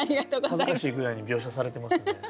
恥ずかしいぐらいに描写されてますね。